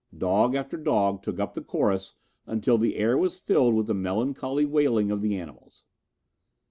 Dog after dog took up the chorus until the air was filled with the melancholy wailing of the animals.